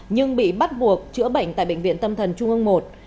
nhưng bị bắt buộc chữa bệnh tại bệnh viện tâm thần trung ương i